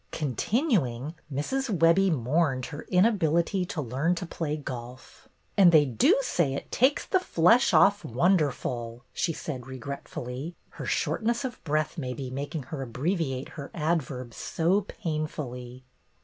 Continuing, Mrs. Webbie mourned her inability to learn to play golf. ^^And they do say it takes the flesh off 58 BETTY BAIRD'S GOLDEN YEAR wonderful," she said regretfully, her shortness of breath, maybe, making her abbreviate her adverbs so painfully.